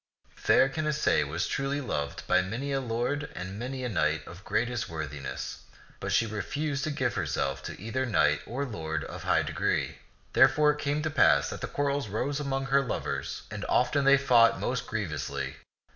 ] Fair Canacee was truly loved by many a lord and many a knight of greatest worthiness ; but she refused to give herself to either knight or lord of high degree. Therefore it came to pass that quarrels rose among her lovers, and often they fought most grievously.